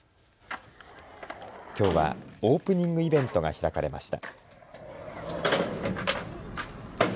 きょうはオープニングイベントが開かれました。